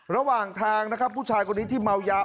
ระหว่างทางนะครับผู้ชายคนนี้ที่เมายา